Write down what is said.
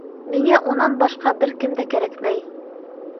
Миңә унан башҡа бер кем дә кәрәкмәй!